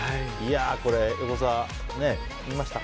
これ、横澤、見ました？